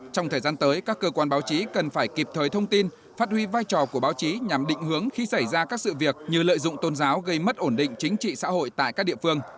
trong thời gian tới các cơ quan báo chí cần phải kịp thời thông tin phát huy vai trò của báo chí nhằm định hướng khi xảy ra các sự việc như lợi dụng tôn giáo gây mất ổn định chính trị xã hội tại các địa phương